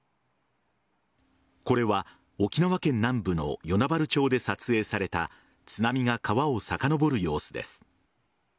これは沖縄県南部の与那原町で撮影された津波が川をさかのぼる様子です。